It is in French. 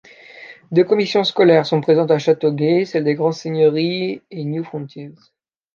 Deux commissions scolaires sont présentes à Châteauguay, celle des Grandes-Seigneuries et New Frontiers.